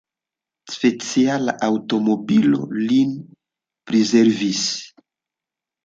Speciala aŭtomobilo lin priservis.